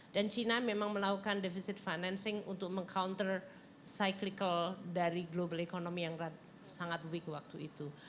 dan china memang melakukan deficit financing untuk meng counter cyclical dari global economy yang sangat weak waktu itu